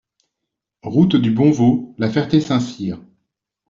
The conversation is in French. Route du Bonveau, La Ferté-Saint-Cyr